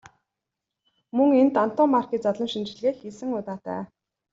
Мөн энд Антоммарки задлан шинжилгээ хийсэн удаатай.